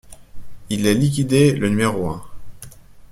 Il est liquidé, le numéro un.